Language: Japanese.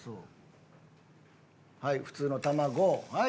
はい普通の卵はい！